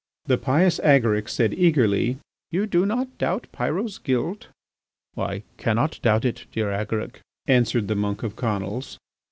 The pious Agaric asked eagerly: "You do not doubt Pyrot's guilt?" "I cannot doubt it, dear Agaric," answered the monk of Conils.